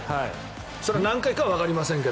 それは何回かわかりませんが。